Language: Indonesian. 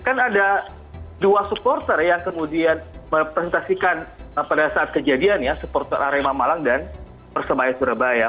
kan ada dua supporter yang kemudian merepresentasikan pada saat kejadian ya supporter arema malang dan persebaya surabaya